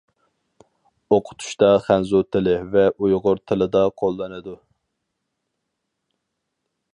ئوقۇتۇشتا خەنزۇ تىلى ۋە ئۇيغۇر تىلىدا قوللىنىدۇ.